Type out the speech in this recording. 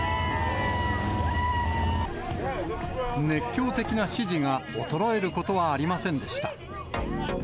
熱狂的な支持が衰えることはありませんでした。